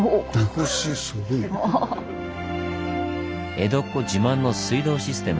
江戸っ子自慢の水道システム